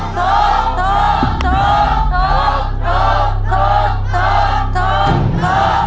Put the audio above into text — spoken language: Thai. ถูกถูกถูกถูก